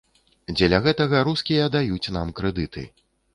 Дзеля гэтага рускія даюць нам крэдыты.